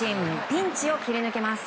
ピンチを切り抜けます。